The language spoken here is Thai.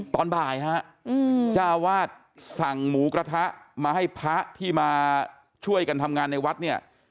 ตอนบ่ายฮะเจ้าวาดสั่งหมูกระทะมาให้พระที่มาช่วยกันทำงานในวัดเนี่ย